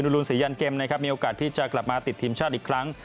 รุนศรียันเกมนะครับมีโอกาสที่จะกลับมาติดทีมชาติอีกครั้ง